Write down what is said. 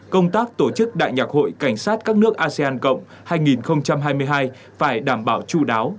công tác tổ chức đại nhạc hội cảnh sát các nước asean cộng hai nghìn hai mươi hai phải đảm bảo chú đáo